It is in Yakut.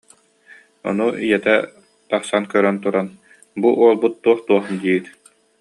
Ону ийэтэ тахсан көрөн туран: «Бу уолбут туох-туох диир